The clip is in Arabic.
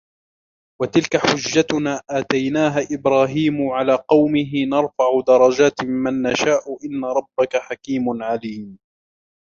وتلك حجتنا آتيناها إبراهيم على قومه نرفع درجات من نشاء إن ربك حكيم عليم